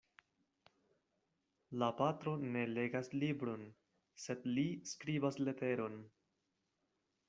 La patro ne legas libron, sed li skribas leteron.